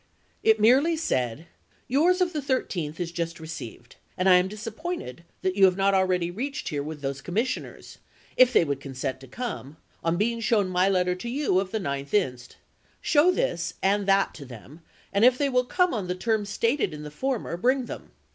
It merely said: "Yours of the 13th is just received, and I am disappointed that you have not already reached here with those commissioners, if they would con sent to come, on being shown my letter to you of the 9th inst. Show that and this to them, and if they will come on the terms stated in the former, bring them.